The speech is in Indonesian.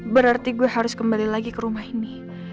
berarti gue harus kembali lagi ke rumah ini